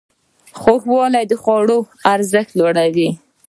خوږوالی د خوړو ارزښت لوړوي.